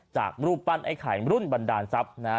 จากรูปปั้นไอ้ไข่รุ่นบันดาลทรัพย์นะฮะ